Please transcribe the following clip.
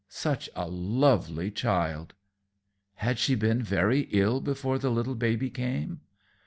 Such a lovely child!" "Had she been very ill before the little baby came?"